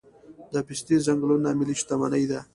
د پستې ځنګلونه ملي شتمني ده؟